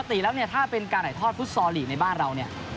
ปกติแล้วเนี่ยถ้าเป็นการถ่ายทอดฟุตซอลลีกในบ้านเราเนี่ย